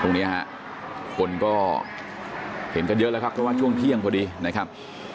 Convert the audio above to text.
ตรงนี้ฮะคนก็เห็นกันเยอะแล้วครับเพราะว่าช่วงเที่ยงพอดีนะครับ